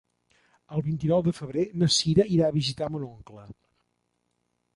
El vint-i-nou de febrer na Cira irà a visitar mon oncle.